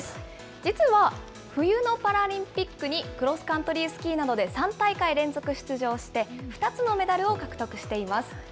実は、冬のパラリンピックにクロスカントリースキーなどで３大会連続出場して、２つのメダルを獲得しています。